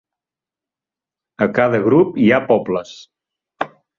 A cada grup hi ha pobles.